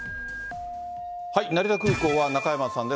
成田空港は中山さんです。